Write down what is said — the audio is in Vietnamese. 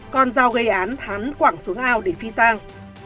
còn dao gây án hắn quảng xuống ao để phi tang